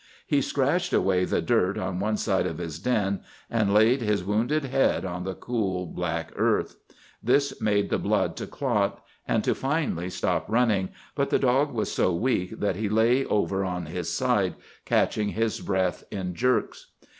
He scratched away the dirt on one side of his den, and laid his wounded head on the cool, black earth. This made the blood to clot, and to finally stop running, but the dog was so weak that he lay over on his side, catching his breath in jerks.